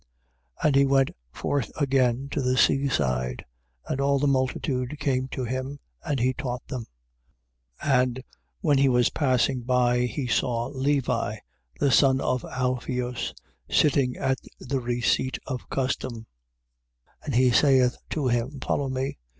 2:13. And he went forth again to the sea side: and all the multitude came to him. And he taught them. 2:14. And when he was passing by, he saw Levi, the son of Alpheus, sitting at the receipt of custom; and he saith to him: Follow me.